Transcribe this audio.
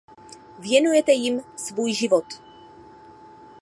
Věnujete jim svůj život.